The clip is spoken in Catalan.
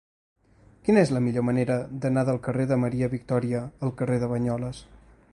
Quina és la millor manera d'anar del carrer de Maria Victòria al carrer de Banyoles?